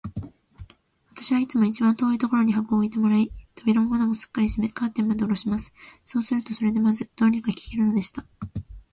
私はいつも一番遠いところに箱を置いてもらい、扉も窓もすっかり閉め、カーテンまでおろします。そうすると、それでまず、どうにか聞けるのでした。